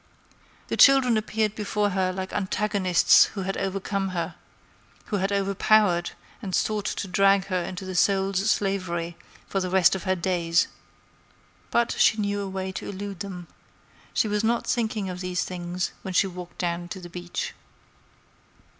The children appeared before her like antagonists who had overcome her; who had overpowered and sought to drag her into the soul's slavery for the rest of her days. But she knew a way to elude them. She was not thinking of these things when she walked down to the beach.